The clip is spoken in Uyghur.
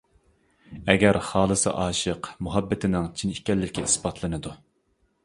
ئەگەر خالىسا ئاشىق مۇھەببىتىنىڭ چىن ئىكەنلىكى ئىسپاتلىنىدۇ.